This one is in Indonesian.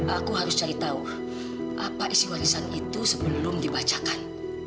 aku harus cari tahu apa isi warisan itu sebelum dibacakan